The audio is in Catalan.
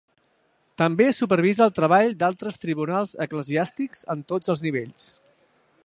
També supervisa el treball d'altres tribunals eclesiàstics en tots els nivells.